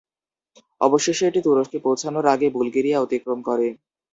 অবশেষে এটি তুরস্কে পৌঁছানোর আগে বুলগেরিয়া অতিক্রম করে।